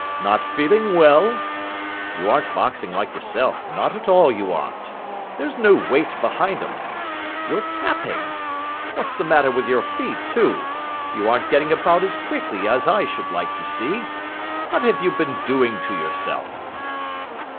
Not feeling well? You aren't boxing like yourself, not at all you aren't. There's no weight behind 'em. You're tapping. What's the matter with your feet, too? You aren't getting about as quickly as I should like to see. What have you been doing to yourself?"